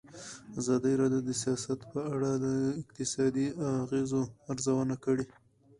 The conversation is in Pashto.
ازادي راډیو د سیاست په اړه د اقتصادي اغېزو ارزونه کړې.